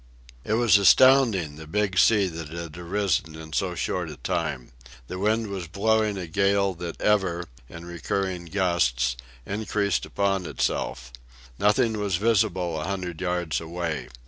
It was astounding, the big sea that had arisen in so short a time. The wind was blowing a gale that ever, in recurring gusts, increased upon itself. Nothing was visible a hundred yards away.